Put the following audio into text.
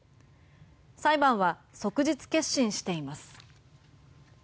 裁判は即日結審しています。